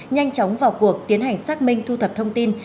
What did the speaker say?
nhanh chóng vào cuộc tiến hành xác minh thu thập thông tin